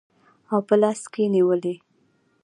او په لاس کې نیولي